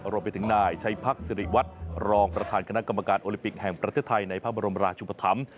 รวมไปถึงนายชัยพักษริวัฒน์รองประธานคณะกรรมการโอลิปิกแห่งประเทศไทยในพระบรมราชุปธรรม